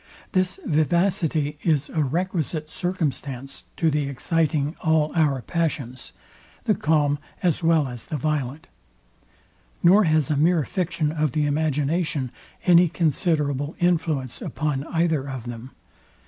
This vivacity is a requisite circumstance to the exciting all our passions, the calm as well as the violent; nor has a mere fiction of the imagination any considerable influence upon either of them.